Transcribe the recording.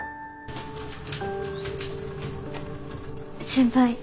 先輩。